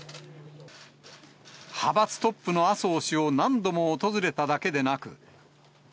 派閥トップの麻生氏を何度も訪れただけでなく。